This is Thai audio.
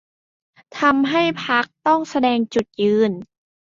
ทำให้พรรคต้องแสดงจุดยืน